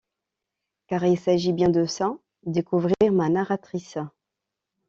Car il s’agit bien de ça: découvrir ma narratrice.